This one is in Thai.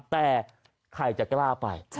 แต่ใครจะกล้าไป